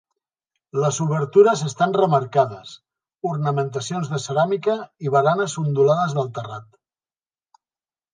Les obertures estan remarcades, ornamentacions de ceràmica i baranes ondulades del terrat.